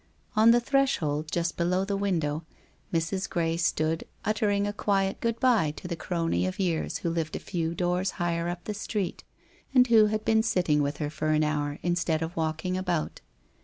On the threshold, just below the window Mrs. Gray stood, utter ing a quiet good bye to the crony of years who lived a few doors higher up the street, and who had been sitting with her for an hour instead of walking about.